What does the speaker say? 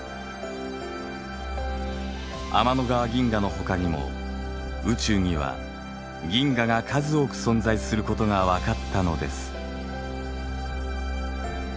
天の川銀河のほかにも宇宙には銀河が数多く存在することがわかったのです。